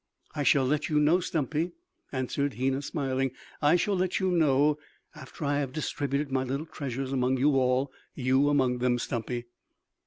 "I shall let you know, Stumpy," answered Hena smiling. "I shall let you know after I shall have distributed my little treasures among you all, you among them, Stumpy."